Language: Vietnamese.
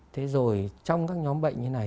thế rồi trong các nhóm bệnh như này